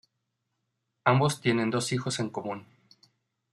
Ambos tienen dos hijos en común.